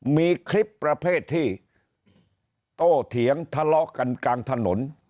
มีคลิปประเภทที่โตเถียงทะเลาะกันกลางถนน